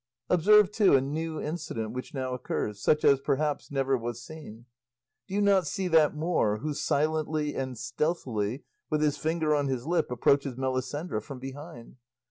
Observe, too, a new incident which now occurs, such as, perhaps, never was seen. Do you not see that Moor, who silently and stealthily, with his finger on his lip, approaches Melisendra from behind?